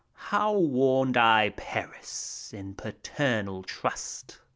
How warned I Paris, in paternal trust.